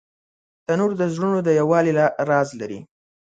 تنور د زړونو د یووالي راز لري